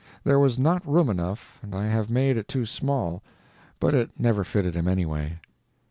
There was not room enough and I have made it too small; but it never fitted him, anyway.